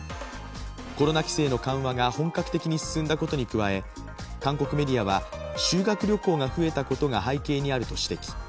コロナ規制の緩和が本格的に進んだことに加え、韓国メディアは、修学旅行が増えたことが背景にあると指摘。